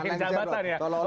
jangan lengser dong